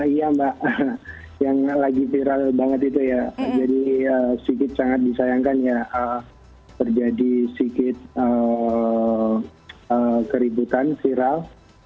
iya mbak yang lagi viral banget itu ya jadi sikit sangat disayangkan ya terjadi sikit keributan viral